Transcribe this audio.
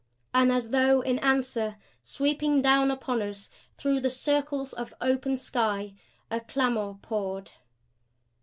And as though in answer, sweeping down upon us through the circles of open sky, a clamor poured.